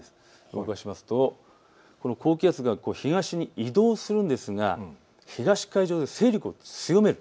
動かすと、この高気圧が東のほうに移動するんですが東海上で勢力を強める。